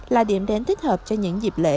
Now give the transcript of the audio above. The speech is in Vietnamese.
là điểm đến thích hợp cho những dịp lễ